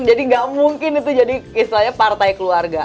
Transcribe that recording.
jadi tidak mungkin itu jadi istilahnya partai keluarga